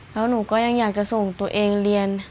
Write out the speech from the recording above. แล้วหนูก็ยังอยากจะส่งตัวเองเรียน